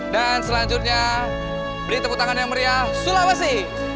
dan selanjutnya beri tepuk tangan yang meriah sulawesi